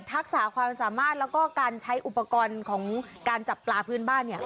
รักษาความสามารถแล้วก็การใช้อุปกรณ์ของการจับปลาพื้นบ้าน